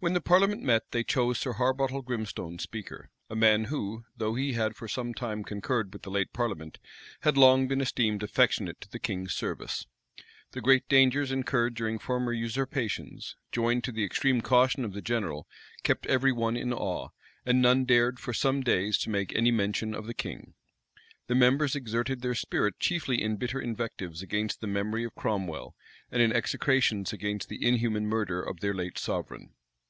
When the parliament met, they chose Sir Harbottle Grimstone speaker, a man who, though he had for some time concurred with the late parliament, had long been esteemed affectionate to the king's service. The great dangers incurred during former usurpations, joined to the extreme caution of the general, kept every one in awe; and none dared for some days to make any mention of the king. The members exerted their spirit chiefly in bitter invectives against the memory of Cromwell, and in execrations against the inhuman murder of their late sovereign.